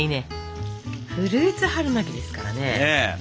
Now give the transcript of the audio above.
フルーツ春巻きですからね。